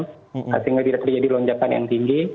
sehingga tidak terjadi lonjakan yang tinggi